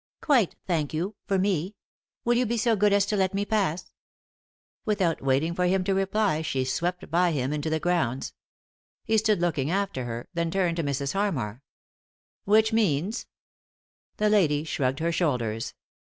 "Quite, thank you— for me. Will you be so good as to let me pass ?" Without waiting for him to reply she swept by him into the grounds. He stood looking after her, then turned to Mrs. Harmar. "Which means?" The lady shrugged her shoulders.